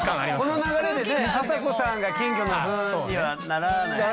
この流れでね朝紗子さんが金魚のフンにはならないね。